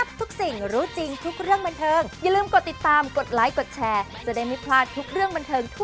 บรรเทิงทุกเรื่องบรรเทิง